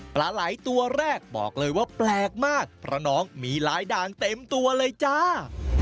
ปลาไหล่ตัวแรกบอกเลยว่าแปลกมากเพราะน้องมีหลายด่านเต็มตัวเลยจ้า